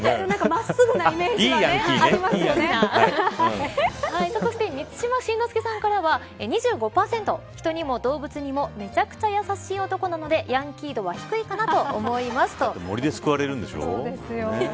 真っすぐなイメージがそして、満島真之介さんからは２５％人にも動物にもめちゃくちゃ優しい男なのでヤンキー度は低いかなと思いますだって森に救われるんでしょ。